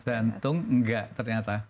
jantung enggak ternyata